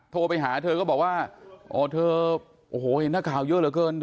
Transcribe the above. โทรไปหาเธอก็บอกว่าอ๋อเธอโอ้โหเห็นนักข่าวเยอะเหลือเกินเธอ